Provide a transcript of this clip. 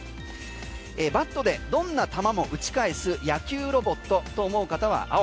バットでどんな球も打ち返す野球ロボットと思う方は青。